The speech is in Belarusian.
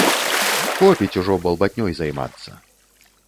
Хопіць ужо балбатнёй займацца.